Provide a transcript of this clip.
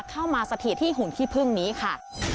มาสถิตที่หุ่นขี้พึ่งนี้ค่ะ